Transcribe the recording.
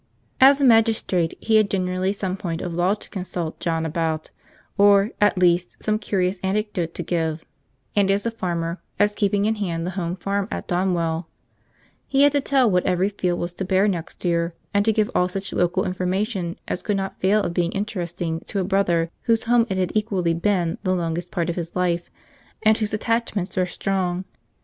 As a magistrate, he had generally some point of law to consult John about, or, at least, some curious anecdote to give; and as a farmer, as keeping in hand the home farm at Donwell, he had to tell what every field was to bear next year, and to give all such local information as could not fail of being interesting to a brother whose home it had equally been the longest part of his life, and whose attachments were strong.